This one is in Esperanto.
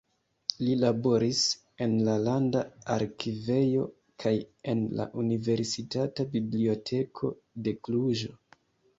Li laboris en la Landa Arkivejo kaj en la Universitata Biblioteko de Kluĵo.